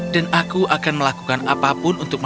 dan aku akan melakukan apapun untukmu